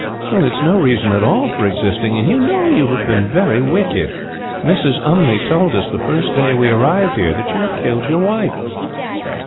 "It is no reason at all for existing, and you know you have been very wicked. Mrs. Umney told us, the first day we arrived here, that you had killed your wife."